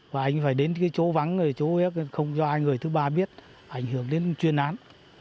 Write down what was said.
và anh phải đến cái chỗ vắng người chỗ không do ai người thứ ba biết ảnh hưởng đến chuyên án